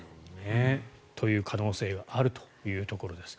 という可能性があるというところです。